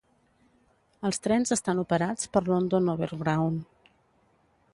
Els trens estan operats per London Overground.